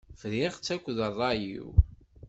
Friɣ-tt akked rray-iw.